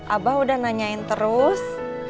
abah udah nanyain terus